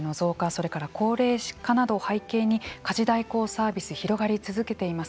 それから高齢化などを背景に家事代行サービス広がり続けています。